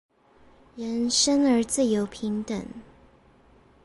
人生而自由平等